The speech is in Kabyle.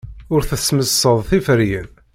Ur tesmesdeḍ tiferyin.